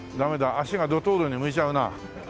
足がドトールに向いちゃうな。